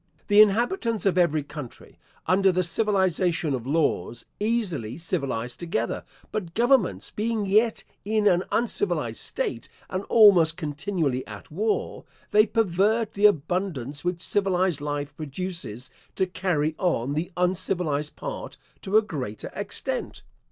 The inhabitants of every country, under the civilisation of laws, easily civilise together, but governments being yet in an uncivilised state, and almost continually at war, they pervert the abundance which civilised life produces to carry on the uncivilised part to a greater extent.